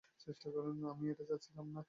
আমি এটা চাচ্ছিলাম না।